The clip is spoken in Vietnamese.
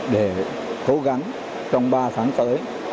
để cố gắng trong ba tháng tới